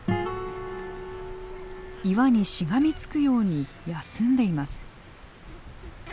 岩にしがみつくように休んでいます。